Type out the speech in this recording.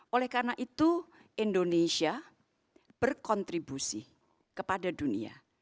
oleh karena itu indonesia berkontribusi kepada dunia